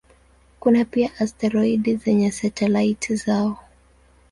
Kuna pia asteroidi zenye satelaiti zao.